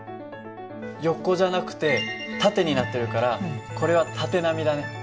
横じゃなくて縦になってるからこれは縦波だね。